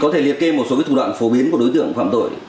có thể liệt kê một số thủ đoạn phổ biến của đối tượng phạm tội